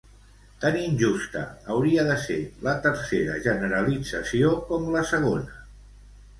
Tan injusta hauria de ser la tercera generalització com la segona.